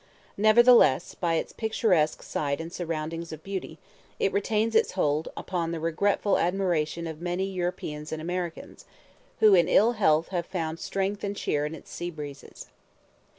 Nevertheless, by its picturesque site and surroundings of beauty, it retains its hold upon the regretful admiration of many Europeans and Americans, who in ill health have found strength and cheer in its sea breezes.